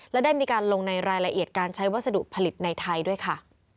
และได้มีการลงในรายละเอียดการใช้วัสดุผลิตในไทยด้วยค่ะ